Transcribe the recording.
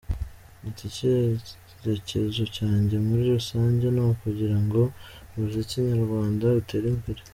Ati “Icyerekezo cyanjye muri rusange ni ukugira ngo umuziki nyarwanda utere imbere.